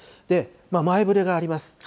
前触れがあります。